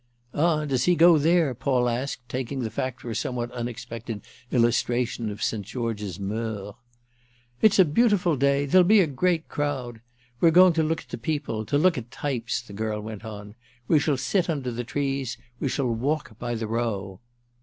"Ah does he go there?" Paul asked, taking the fact for a somewhat unexpected illustration of St. George's moeurs. "It's a beautiful day—there'll be a great crowd. We're going to look at the people, to look at types," the girl went on. "We shall sit under the trees; we shall walk by the Row."